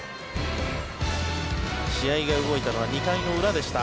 試合が動いたのは２回の裏でした。